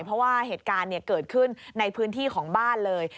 เพราะว่าเหตุการณ์เกิดขึ้นในพื้นที่ของบ้านเลย